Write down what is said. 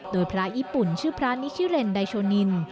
โดยพระญี่ปุ่นชื่อพระนิชิเลนไดโชวนิน